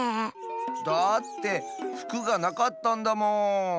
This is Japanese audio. だってふくがなかったんだもん。